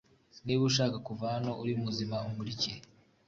Niba ushaka kuva hano uri muzima unkurikire